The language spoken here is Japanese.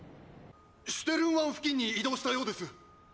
シュテルン湾付近に移動したようです！